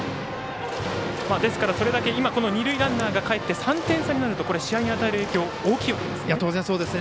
ですから、それだけ二塁ランナーがかえって３点差になると試合に与える影響大きいわけですね。